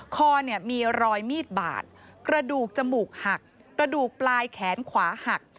คอเนี่ยมีรอยมีดบาดกระดูกจมูกหักกระดูกปลายแขนขวาหัก